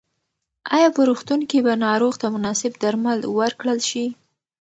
ایا په روغتون کې به ناروغ ته مناسب درمل ورکړل شي؟